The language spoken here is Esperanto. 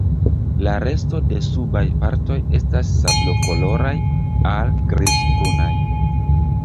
La resto de subaj partoj estas sablokoloraj al grizbrunaj.